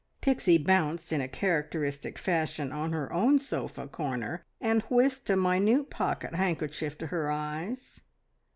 Pixie bounced in a characteristic fashion on her own sofa corner, and whisked a minute pocket handkerchief to her eyes.